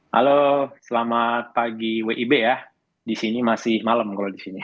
halo selamat pagi wib ya di sini masih malam kalau di sini